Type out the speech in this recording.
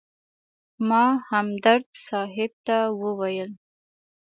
ما همدرد صاحب ته وویل.